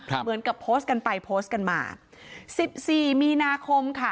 เหมือนกับโพสต์กันไปโพสต์กันมาสิบสี่มีนาคมค่ะ